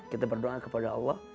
kita berdoa kepada allah